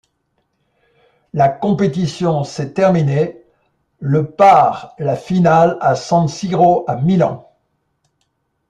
La compétition s'est terminée le par la finale à San Siro à Milan.